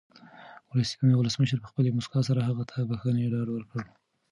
ولسمشر په خپلې مسکا سره هغه ته د بښنې ډاډ ورکړ.